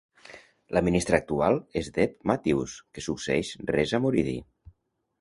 La ministra actual és Deb Matthews, que succeeix Reza Moridi.